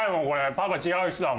パパ違う人だもん。